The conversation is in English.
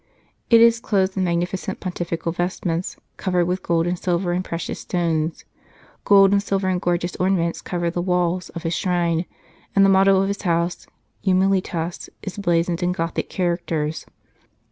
It is clothed in magnificent pontifical vestments, covered with gold and silver and precious stones. Gold and silver and gorgeous ornaments cover the walls of his shrine, and the motto of his House, " Humilitas," is blazoned in Gothic characters.